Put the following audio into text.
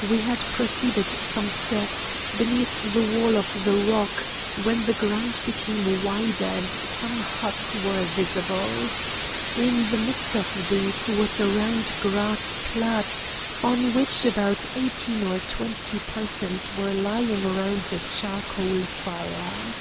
"We had proceeded some steps, beneath the wall of the rock, when the ground became wider and some huts were visible. In the midst of these was a round grass plat, on which about eighteen or twenty persons were lying round a charcoal fire.